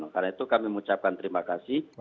karena itu kami mengucapkan terima kasih